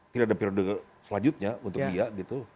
tidak ada periode selanjutnya untuk dia gitu